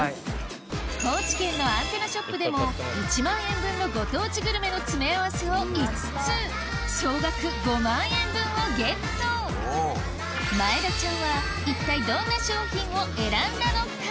高知県のアンテナショップでも１万円分のご当地グルメの詰め合わせを５つ総額５万円分をゲット前田ちゃんは一体どんな商品を選んだのか？